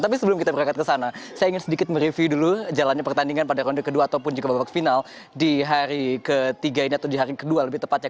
tapi sebelum kita berangkat ke sana saya ingin sedikit mereview dulu jalannya pertandingan pada ronde kedua ataupun juga babak final di hari ketiga ini atau di hari kedua lebih tepatnya